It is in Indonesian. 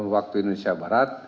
sebelas waktu indonesia barat